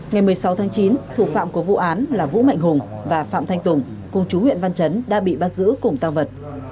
ngày một mươi sáu tháng chín thủ phạm của vụ án là vũ mạnh hùng và phạm thanh tùng cùng chú huyện văn chấn đã bị bắt giữ cùng tăng vật